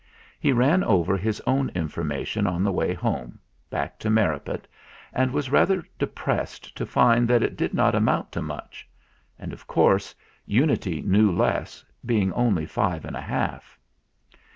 He ran over his own information on the way home back to Merripit, and was rather depressed to find that it did not amount to much. And, of course, Unity knew less, being only five and a half.